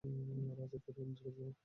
রাজা ফিওরনের দীর্ঘজীবী হউক!